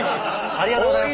ありがとうございます。